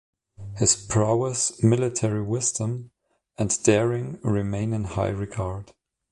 His prowess, military wisdom, and daring remain in high regard.